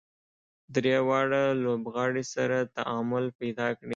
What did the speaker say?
درې واړه لوبغاړي سره تعامل پیدا کړي.